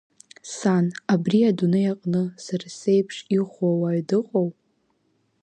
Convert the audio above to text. Сан, абри адунеи аҟны сара сеиԥш иӷәӷәоу уаҩ дыҟоу?